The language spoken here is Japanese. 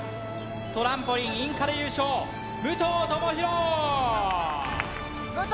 トランポリンインカレ優勝武藤智広武藤！